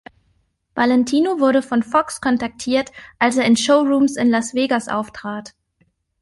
Valentino wurde von Fox kontaktiert, als er in Showrooms in Las Vegas auftrat.